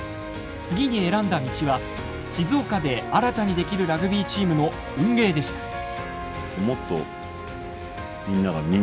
次に選んだ道は静岡で新たに出来るラグビーチームの運営でした。